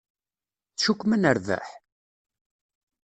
Tcukkem ad nerbeḥ?